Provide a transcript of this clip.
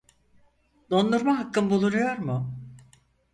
Dondurma hakkım bulunuyor mu?